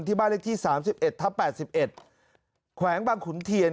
บ้านเลขที่๓๑ทับ๘๑แขวงบางขุนเทียน